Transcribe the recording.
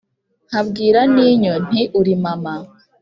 nkabwira n’inyo nti ‘uri mama